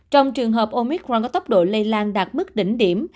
trong trường hợp omicron có tốc độ lây lan đạt mức đỉnh điểm